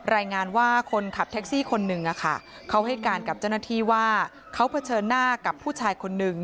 รายงานว่าคนขับแท็กซี่คนหนึ่งเขาให้การกับเจ้าหน้าที่ว่าเขาเผชิญหน้ากับผู้ชายคนนึง